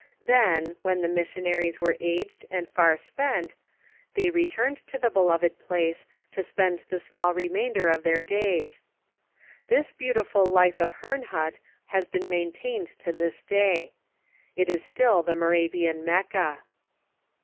Then, when the missionaries were aged and far spent, they returned to the beloved place, to spend the small remainder of their days. This beautiful life of Herrnhut has been maintained to this day. It is still the Moravian Mecca.